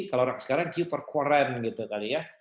kalau orang sekarang q for quarent gitu tadi ya